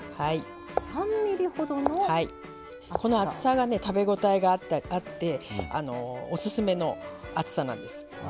この厚さがね食べ応えがあっておすすめの厚さなんです。